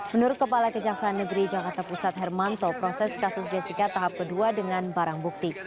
menurut kepala kejaksaan negeri jakarta pusat hermanto proses kasus jessica tahap kedua dengan barang bukti